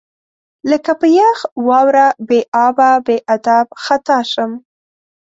لکه په یخ واوره بې ابه، بې ادب خطا شم